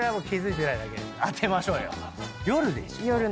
夜でしょ？